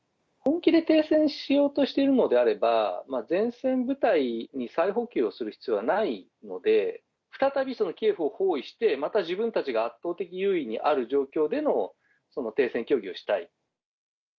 本気で停戦しようとしているのであれば、前線部隊に再補給する必要がないので、再びキエフを包囲して、また自分たちが圧倒的優位にある状況での停戦協議をしたい。